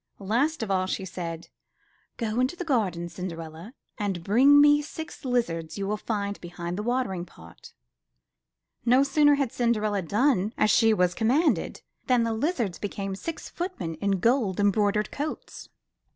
Last of all, she said: *'Go into the garden, Cinderella, and bring me the six lizards you will find behind the watering pot." No sooner had Cinderella done as she was com manded, than the lizards became six footmen in gold embroidered coats.